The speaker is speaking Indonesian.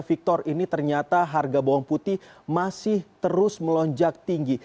victor ini ternyata harga bawang putih masih terus melonjak tinggi